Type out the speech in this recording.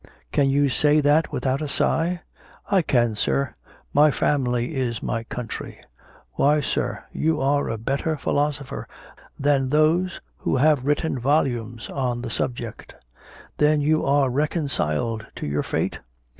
"Can you say that without a sigh?" "I can, Sir; my family is my country!" "Why, Sir, you are a better philosopher than those who have written volumes on the subject. Then you are reconciled to your fate?"